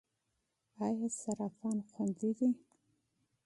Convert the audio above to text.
آیا صرافان خوندي دي؟